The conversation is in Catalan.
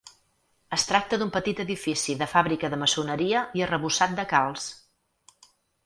Es tracta d'un petit edifici de fàbrica de maçoneria i arrebossat de calç.